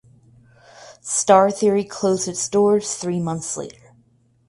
Star Theory closed its doors three months later.